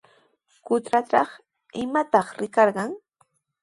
Qutratraw, ¿imatataq rikarqan?